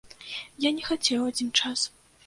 Я не хацеў адзін час.